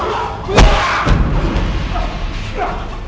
gak ada siapa siapa